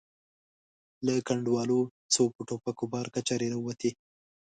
له کنډوالو څو په ټوپکو بار کچرې را ووتې.